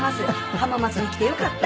浜松に来てよかった！